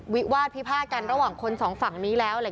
วิวาดพิพาทกันระหว่างคนสองฝั่งนี้แล้ว